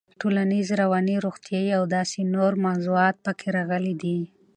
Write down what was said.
ټولنيز, رواني, روغتيايي او داسې نورو موضوعات پکې راغلي دي.